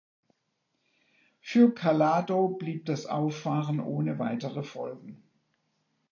Für Calado blieb das Auffahren ohne weitere Folgen.